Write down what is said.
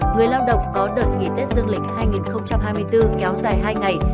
người lao động có đợt nghỉ tết dương lịch hai nghìn hai mươi bốn kéo dài hai ngày